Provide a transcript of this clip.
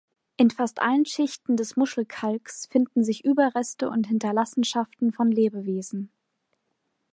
In fast allen Schichten des Muschelkalks finden sich Überreste und Hinterlassenschaften von Lebewesen.